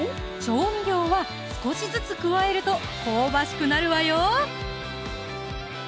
調味料は少しずつ加えると香ばしくなるわよ